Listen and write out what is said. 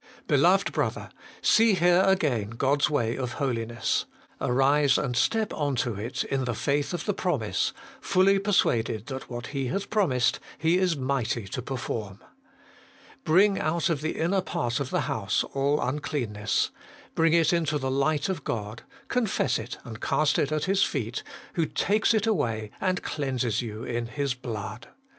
Beloved brother ! see here again God's way of holiness. Arise and step on to it in the faith of fehe promise, fully persuaded that what He hath promised He is mighty to perform. Bring out of the inner part of the house all uncleanness ; bring it into the light of God ; confess it and cast it at His feet, who takes it away, and cleanses you in His blood.